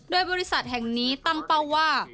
โดยบริษัทแห่งนี้ตั้งเป้าว่า